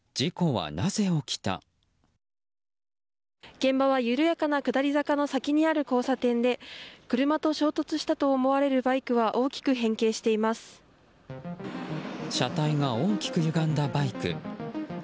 現場は緩やかな下り坂の先にある交差点で車と衝突したと思われるバイクは車体が大きくゆがんだバイク。